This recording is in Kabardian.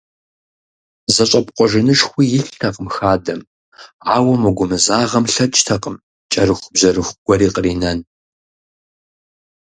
ЗэщӀэпкъуэжынышхуи илътэкъым хадэм, ауэ мо гумызагъэм лъэкӀтэкъым кӀэрыхубжьэрыху гуэри къринэн.